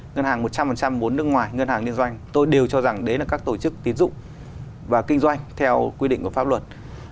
ngân hàng một trăm linh vốn nước ngoài ngân hàng liên doanh tôi đều cho rằng đấy là các tổ chức tín dụng và kinh doanh theo quy định của pháp luật